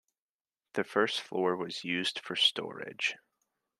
The first floor was used for storage.